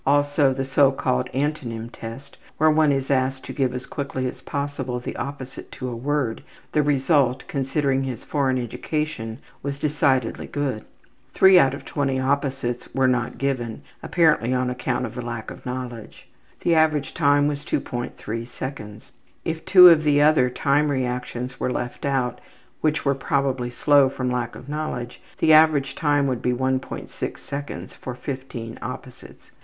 Also, the so called Antonym Test, where one is asked to give as quickly as possible the opposite to a word, the result, considering his foreign education, was decidedly good. Three out of twenty opposites were not given, apparently on account of the lack of knowledge. The average time was 2.3 seconds. If two of the other time reactions were left out, which were probably slow from lack of knowledge, the average time would be 1.6 seconds for 15 opposites.